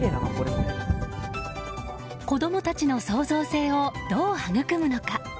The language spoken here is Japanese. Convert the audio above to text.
子供たちの創造性をどう育むのか。